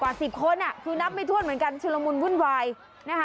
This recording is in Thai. แม่งแม่งแม่ง